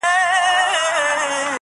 د میني مخ د وینو رنګ پرېولی-